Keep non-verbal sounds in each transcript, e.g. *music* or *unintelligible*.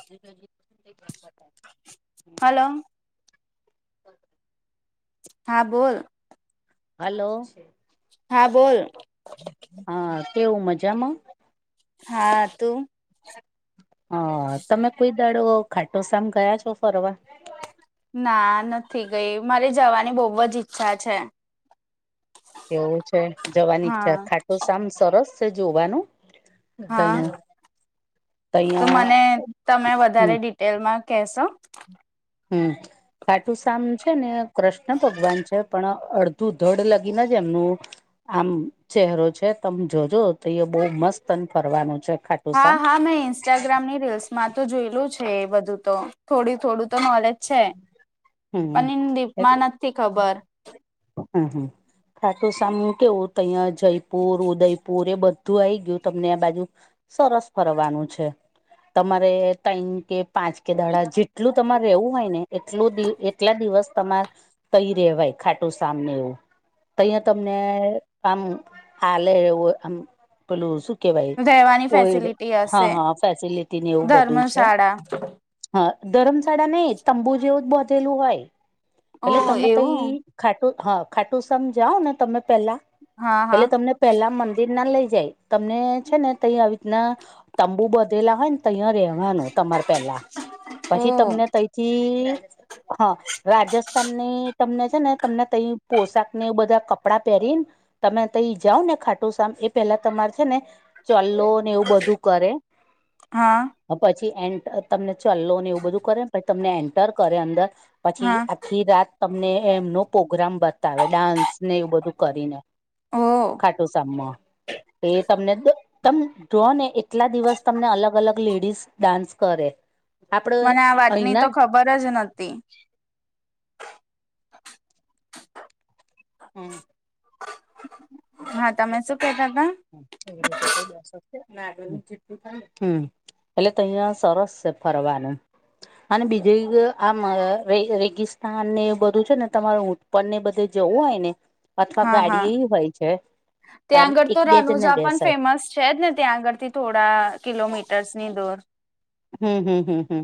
*unintelligible* Hello. હા બોલ. Hello હા બોલ. હા કેવું મજામાં? હા તું? હા તમે કોઈ દાડો ખાટો સામ ગયા છો ફરવા? ના નથી ગઈ. મારે જવાની બહુ જ ઇચ્છા છે. એવું છે? જવાની ઈચ્છા હા ખાટું સામ સરસ છે જોવાનું. હા તયનું તહીં તો મને તમે હમ વધારે ડિટ ટેલમાં કેશો? હમ. ખાટું શ્યામ છે ને કૃષ્ણ ભગવાન છે પણ અડધું ધડ લગીને જ એમનું આમ ચહેરો છે તમે જોજો તો એ બહુ મસ્ત અને ફરવાનું છે. હા ખાટુંશ્યામ હા મેં ઇન્સ્ટાગ્રામની રીલ્સમાં તો જોયેલું છે એ બધું તો થોડી થોડું તો નોલેજ છે પણ ઈન ડીપમાં નથી ખબર. હમ્મ હમ્મ ખાટું શ્યામ કેવું તહં જયપુર ઉદયપુર એ બધ તું આઈ ગયું તમને આ બાજુ સરસ ફરવાનું છે તમારે ટાઈમ કે પાંચ કે દાડા જેટલું તમારે રહેવું હોય ને એટલું દી એટલા દિવસ તમાર કઈ રેવાય ખાટુંશામ ને એવું તય તમને આમ આલે એવું આમ. પેલું શું કેવાય રહેવાની કોઈડ ફેસિલિટી હા હશે હા ફેસિલટી એવું બધું છે. બ. હા ધરમ શાળા નઈ તંબુ જેઉ જ બધેલું હોય ઓ એટલે તમે કઈ. એવું ખાટુ હા ખાટુંશામ જાઓ ને તમે પેહલા હા હા એટલે તમને પેલા મંદિર ના લઈ જાય તમને છે ને તય આવી રીતના તંબુ બદલા હોય ન તૈયાર રહે. હા નું તમારે પેલા ઓ પછી તમને તથી થી હા રાજસ્થાનની તમને છે ને તમને તય પોશાકને એઉ બધા પેરીન તમે તઈ જાઓ ને ખાટું શામ એ પેલા તમારે છે ને ચલ્લો ને એવું બધું કરે હા પછી એ એન્ડ તમને ચલ્લો ને એવું બધું કરે. તમને એન્ટર કરે અંદર પછી હા આખી રાત તમને એમનો પ્રગ્રામ બતાવે ડાન્સ ને બધું કરીને. ઓ ખાટું શ્યામ માં. એ તમને દ તમ જોવો ને એટલા દિવસ તમને અલગ અલગ લેડીસ ડાન્સ કરે આપડ વાટની તો ખબર જ નથી. હમ્મ હા તમે શું કહેતા હતા? આવી રીતે કઈ દેવા *unintelligible* હમ્મ એટલે તયા સરસ છે ફરવાનું. અને બીજું આમ રે રેગિસ્તાન ને એ બધું છે ને તમારું પણ ને બધે જવું હોય ને અથવા હા હા ગાડી એ હોય છે. આમ ત્યાં આંગડ એક તો બે રન જ ને પણ બેસાય ફેમસ છે જ ને ત્યાં આગળથી થોડા કિલોમીટર્સની દોર. હમ્મ, હમ્મ, હમ્મ, હમ્મ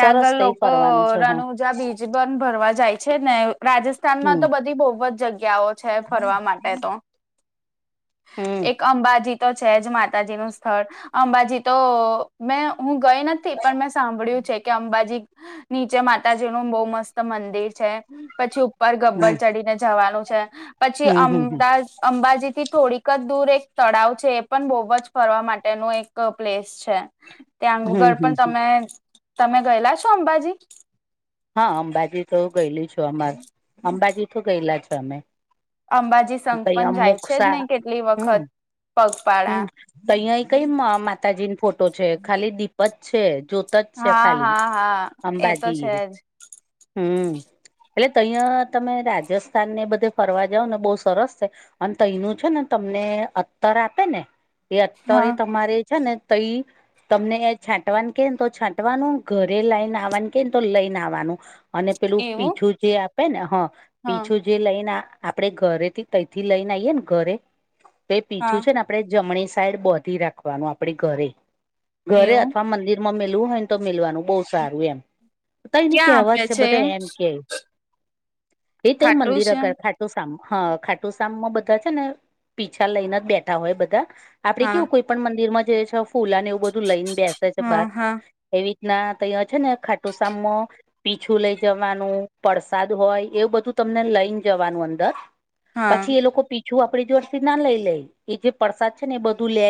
સરસ તેય ફરવાનું છે હ. જ્યાં બીજી પણ ભરવા જાય છે ને રાજસ્થાન માં હમ તો બધી બહુ જગ્યાઓ છે ફરવા માટે તો. હમ એક અંબાજી તો છે જ માતાજી નું સ્થળ. અંબાજી તો મેં હું ગઈ નથી પણ મેં સાંભળ્યું છે કે અંબાજી. નીચે માતાજી નું બહુ મસ્ત મંદિર છે. પછી ઉપર હમ ગબ્બર ચડીને જવાનું છે પછી હમ હમ અમદાજ અંબાજી થી થોડીક જ દૂર એક તળાવ છે એ પણ બહુ જ ફરવા માટેનું એક પ્લેસ છે હમ ત્યાંગળ હમ પણ હમ તમે તમે ગયેલા છો અંબાજી? હા અંબાજી તો ગયેલી છુ અમાર અંબાજી તો ગયેલા છો અમે. અંબાજી સંઘ તઈ પણ જાય છે જ અમુકસા નહી કેટલી હમ્મ, વખત હમ્મ. પગપાળા તઇ અહીં કઈ મ માતાજીની ફોટો છે ખાલી દીપજ છે જો તત્ છે ખાલી અંબાજી. છ. હમ્મ, એટલે અહં તમે રાજસ્થાનને બધે ફરવા જાવ ને બહુ સરસ છે. અને તઈ એનું છે ને તમને અતર આપે ને એ અતર એ હા તમારે છે ને તઈ તમને એ છાંટવાનું કેને તો છાંટવાનું ઘરે લાઈન આવવાનું કેને તો લઈ ના આવાનું અને પેલું એવું પીછું જે આપે ને હ હા પીછું જે લઈને આપડે ઘરેથી તથી લઈને આઈએ ને ઘરે તો એ પીછું હા છે ને પડે જમણી સાઈડ બાંધી રાખવાનું આપે ઘરે ઘરે એવું અથવા મંદિર માં મેલવું તો મેલવાનું બહુ સારું એમ. તો એની ક્યાં કહેવાત આપે છે બધા એમ કેય એ તય ખાટું મંદિર શ્યામ અગર ખા બોહ શામ હા ખાટુ શામમાં બધા છે ને પીછા લઈને જ બેઠા હોય બધા આપડે હા કેવું કોઈ પણ મંદિરમાં જે છે ફૂલાને એવું બધું લઈને બેસે છે હા બાર હા એવી રીતના તૈયા છે ને ખાટું શામ મો પીછું લઈ જવાનું પડસાદ હોય એવું બધું તમને લઈ જવાનું અંદર. હા પછી એ લોકો પીછું આપડી જોઈથી ના લઈ લે એ જે છે ને એ બધું લે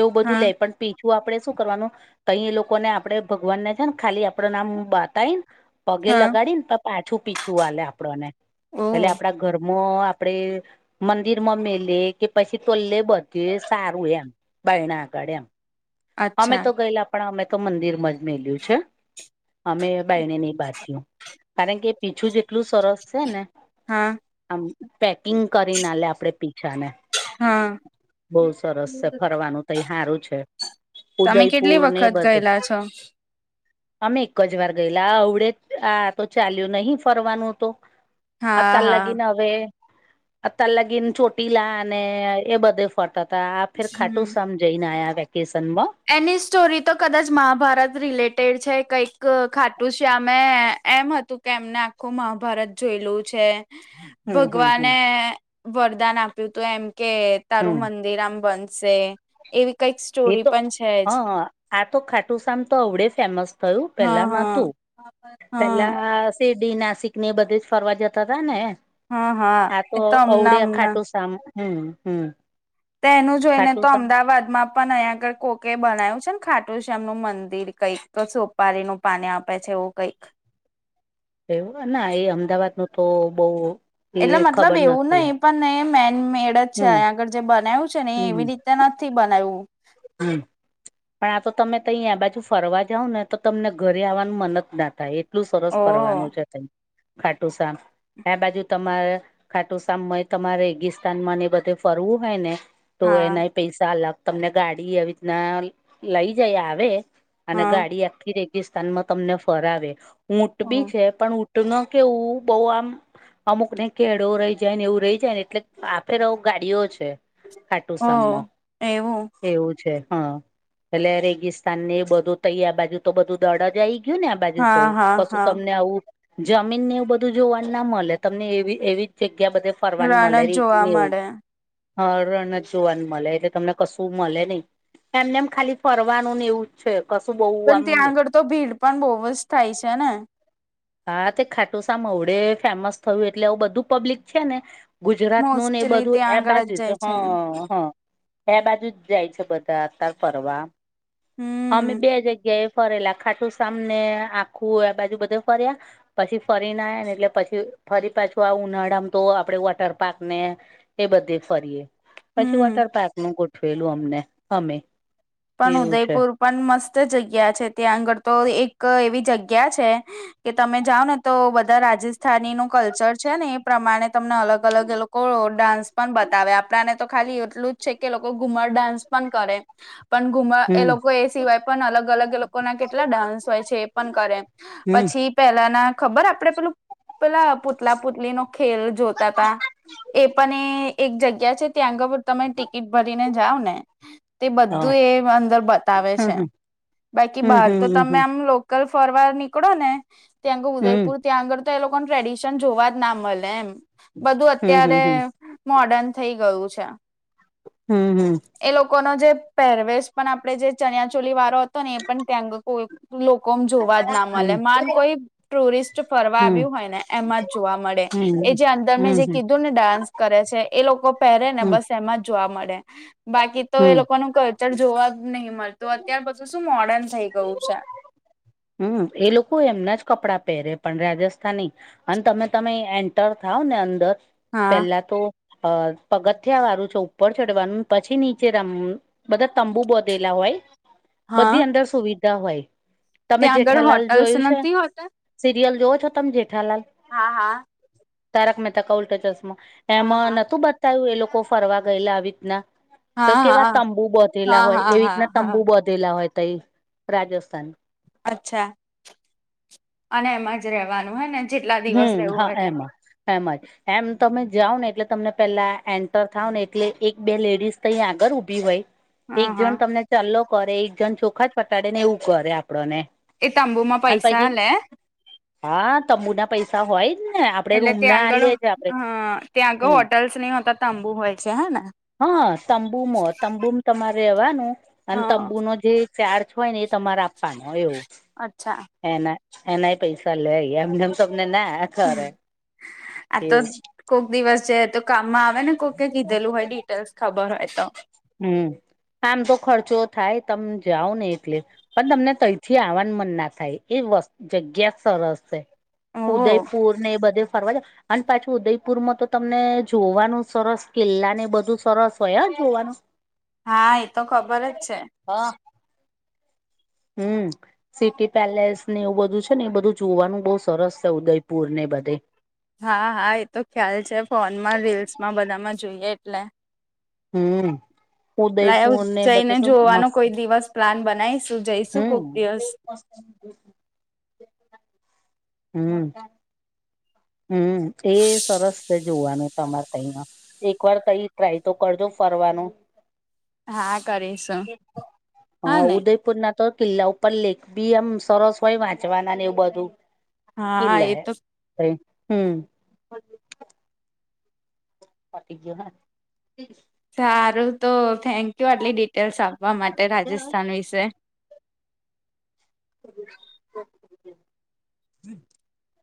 એવું બધું હા લે પણ પીછું આપડણે શું કરવાનું કઈ એ લોકોને આપડે ભગવાનને છે ને ખાલી આપ પ્રણામ બતાવી ને પગે હા લગાડી ને પણ પાછું પીછું વાલે આપણોને. ઓ પેહલે આપડા ઘર મો આપડે મંદિરમાં મેલે કે પછી તોલ્લે બધે સારું એમ. બાયણા આગડ એમ અમે અચ્છા તો ગયેલા પણ અમે તો મંદિર માં જ મેલ્યું છે. અમે ભાઈને નહી બાધ્યું કારણ કે પીછું જેટલું સરસ છે ને હા. આમ પેકિંગ કરી ના લે આપડે પીછાને. હા બહઉ સરસ છે ફરવાનું તહી હારું છે. તમે કેટલી ઉદયપુર ને વખત બધે. ગયેલા છો અમે એક જ વાર ગયેલા આ અવડે આ તો ચાલ્યું નહી ફરવાનું તો હા અતા હા લગીન હવે અતાલ લગીન ચોટીલા અને એ બધે ફરતા હતા આ ફેર ખાટું હમ શામ જઈને આયા વેકેશન માં. એની સ્ટોરી તો કદાચ મહાભારત રિલેટેડ છે કઈક ખાટું શ્યામે એમ હતું કે એમને આખું મહાભારત જોયેલું છે. હમ હમ હમ ભગવાને વરદાન આપ્યું હતું કે હમ તારું મન રામ બનશે એવી કઈક સ્ટોરી હ પણ છે જ આ તો ખાટુસામ તો અવડે ફેમસ થયું હા પેલામાં હા નાતું હા પેલા સિરડી નાસિક ને એ બધી જ ફરવા જતા હતા ને હા હા, તો એ અવડે હમણાં અ હમણાં ખાટું શામ હમ્મ હમ્મ. તે એનું જોઈને તો અમદાવાદમાં પણ અહીંયા આગળ કોકે બનાય્યું છે ને ખાટું શ્યામનું મંદિર કઈક તો સોપારીનું પાને આપે છે એવું કઈક. તેવું ના એ અમદાવાદનું નો તો બઉ એટલે મતલબ એવું નહિ પણ મેન મેડ જ છે હમ અહીયા આગળ જે બનાવ્યું ને એવી રીતે નથી બનાયુ. હમ્મ. પણ આ તો તમે તઈ બાજુ ફરવા જાવ ને તો તમને ઘરે આવવાનું મન જ ના થાય એ ટલું સરસ ઓ ફરવાનું છે તય ખાટું શ્યામ. આ બાજુ તમારે ખાટુંશ્યામ તમારે રેગિસ્તાનમાંને એ બધે ફરવું હોય ને, તો હા એનાય પૈસા અલગ તમને ગાડી આવી રીતના લઈ જાય આવે, અને હા ગાડી આખી રેગિસ્તાનમાં તમને ફરાવે, ઊટ બી છે, પણ ઊટનું કેવું બહુ આમ, અમુક ને કેળવો રહી જાય ને એવું રહી જાય ને એટલે આ ફેર ગાડીઓ છે. ઓ ખાટુંશ્યમમાં એવું એવું છે હા, એટલે રેગિસ્તાન ને બધું તૈ આબાજુ તો બધું દળ જ આયી. ગ્યું ને આ બાજુ તો હા હા કશું હા તમને આવું, જમીન ને એવું બધું જોવાનું ના મલે તમને એવી એવી જગ્યા બધે પરવાન મલે રણ જ રેતું જોવા એવુ, મળે હ રણ જ જોવાનું મળે એટલે તમને કશું મળે નહી એમને એમ ખાલી ફરવાનું ને એવું, છે કશું બઉ પણ આમ ને, ત્યાં આગળ તો ભીડ પણ બહુ જ થાય છે ને, હા તે ખાટુશ્યામ અવડે ફેમસ થયું એટલે હવ બધું પબ્લિક છે ને, ગુજરાત નું ને એ મોસ્ટલી બધું એ ત્યાં આગળ જ બાજુ છે જાય હ હ, એ બાજુ જ જાય છે બધા અત્યારે ફરવા અમે હમ બે જગ્યાએ, ફરેલા ખાટુંશ્યામ ને આખું એ બાજુ બધું, ફર્યા પછી ફરી ના આયા ને એટલે પછી, ફરી પાછું આ ઉનાળામ તો આપડે વોટર પાર્ક ને એ બધે ફરીએ, પછી હમ વોટર પાર્ક નું ગોઠવેલું અમને અમે, પણ એવું છે ઉદયપુર પણ મસ્ત જગ્યા છે ત્યાં આગળ તો એક એવી જગ્યા છે. કે તમે જાઓ ને તો બધા રાજસ્થાની નું કલ્ચર છે ને એ, પ્રમાણે તમને અલગ અલગ એ લોકો ડાન્સ પણ બતાવે આપણાને તો, ખાલી એટલું જ છે કે લોકો ઘુમર ડાન્સ પણ કરે પણ ઘુમ્ એ હમ લોકો એ સિવાય, પણ અલગ અલગ એ લોકો ના કેટલા ડાન્સ હોય છે એ પણ કરે હમ પછી, પેહલા ના ખબર આપડે પેલું પેલા પુતલા પુતલી નો ખેલ જોતા તા, એ પણ એ એક જગ્યા છે ત્યાં આગળ તમે ટિકિટ ભરીને જાવ ને તે, બ બધું હા એ અંદર બતાવે છે હમ બાકી હમ બહાર તો હમ તમે હમ આમ લો કલ ફરવાર નીકળો ને ત્યાંગે હમ ઉદયપુર, ત્યાં આગળ તો એ લોકોન ટ્રેડિશન જોવા જ ના મળે એમ બધું હમ અત્યારે, હમ હમ મોર્ડર્ન થઈ ગયું છે. હમ હમ, એ લોકોનો જે પહેરવેશ પણ આપડે જે ચનિયા ચોલી વાળો હતો ને એ પણ ત્યાંગ કોય લોકોમ જોવા જ ના મળે હમ માન કોઈ, ટુરિસ્ટ ફરવા હમ આવ્યું હોય ને એમાં જ જોવા મળે. હમ એ જે અંદર મેં હમ જે હમ કીધું ને ડાન્સ કરે છે એ લોકો પહેરે ને હમ બસ એમાં જ, જોવા મળે બાકી તો એ હમ લોકોનું કલ્ચર જોવા, નહીં મળતું અત્યાર પછુ શું મોર્ડર્ન થઈ ગયું છે. હમ્મ એ લોકો એમના જ કપડાં પહેરે પણ રાજસ્થાની, અને તમે તમે એન્ટર થાવ ને અંદર હા પહેલા તો, અ પગથિયા વારું છે ઉપર ચડવાનું પછી નીચે રમ બધા તંબુ બોધેલા હોય, હા બધી અંદર સુવિધા હોય. તમે ત્યાં આગળ જેઠાલાલ હોટલ્સ જોયું છે, નથી હોતા સિરિયલ જોવ છો તમે જેઠાલાલ. હા હા. તારક મહેતા કા ઉલ્ટા ચશ્માં, હા એમાં નતું બત તાયુ એ લોકો ફરવા ગયેલા આવી રીતના તો હા હા કેવા હા તંબુ બોધેલા હા હોય હા એવી રીતના હા તંબુ હા બોધેલા હોય તઇ રાજેસ્થાન અચ્છા અને એમા જ રેવાનું હે ને જેટલા દિવસ રહેવું હોય એટલા દી એમા જ એમ તમે જાવ ને એટલે તમને પેલા એન્ટર થાવ ને એટલે એક બે લેડીઝ તઈ આગળ ઊભી હોય. એક હા હા જણ તમને ચોલ્લો કરે એક જણ ચોખા ચોટાડે ને એવું કરે આપડ ને એ તંબુમાં પૈસા લે? હા તંબુના પૈસા હોય. જ ને આપડે એટલે રૂમ ના ત્યાં આગળ આલીએ છે આપડે હ ત્યાં આગળ હમ હોટલ્સ નહિ હોતા તબુ હોય છે હે ને. હા તંબુમો તંબુ તમાર રેવાનું હા તંબુ નો જે ચાર્જ હોય ને એ તમારે આપવાનો હ એવું. અચ્છા. એના એનાય પૈસા લે એમનેમ તમને ના કરે. આ તો એવું કોક દિવસ જઇએ તો કામમાં આવે ને કોક કીધેલું હોય ડિટેલ્સ ખબર હોય તો. હમ્મ આમ તો ખર્ચો થાય તમે જાઓ ને એટલે. પણ તમને તઈથી આવાન મન ના થાય એ વશ જગ્યા સરસ છે. ઓહ ઉદયપુરને એ બધું ફરવા જા અને પાછું ઉદયપુરમાં તો તમને જોવાનું સરસ કિલ્લાને બધું સરસ હોય જોવાનું હા એ તો ખબર જ છે. હ. હમ્મ. સિટી પેલેસને એવું બધું છે ને એ બધું જોવાનું બહુ સરસ છે ઉદયપુરને બધે હા હા એ તો ખ્યાલ છે ફોનમાં રીલ્સમાં બધામાં જોઈએ એટલે. હમ્મ. લાવ ઉદયપુરને બધે જઈને તો જોવાનો મસ્ત કોઈ દિવસ પ્લાન બનાવીશું જઈશું હમ્મ. કોક દિવસ હમ્મ. હમ્મ એ સરસ છે જોવાનું તમારે તઈ અ. એકવાર તઈ ટ્રાય તો કરજો ફરવાનો. હા કરીશું હા ઉદય પુરના તો કિલ્લા ઉપર લેખ બી એમ સરસ હોય વાંચવાના ને એવું બધું. હા કિલ્લા એ હે તો ફરી હમ્મ. *inaudible* સારું તો થેન્કયુ આટલી ડિટેલ્સ આપવા માટે રાજસ્થાન વિશે. *inaudible*